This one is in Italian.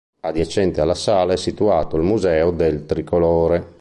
Adiacente alla sala è situato il Museo del tricolore.